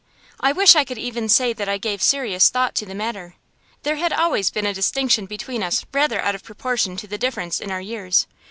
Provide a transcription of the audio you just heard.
I wish I could even say that I gave serious thought to the matter. There had always been a distinction between us rather out of proportion to the difference in our years.